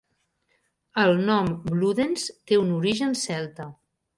El nom Bludenz té un origen celta.